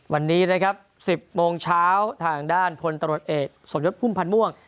วันนี้นะครับ๑๐โมงเช้าทางด้านพลตรวจเอกสมยศพุ่มพันธ์ม่วง